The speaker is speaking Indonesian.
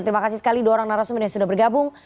terima kasih sekali dua orang narasumber yang sudah bergabung